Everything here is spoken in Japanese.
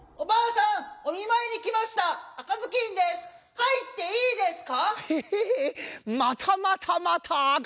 はいっていいですか？